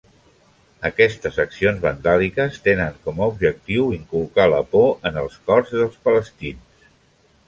Aquestes accions vandàliques tenen com a objectiu inculcar la por en els cors dels palestins.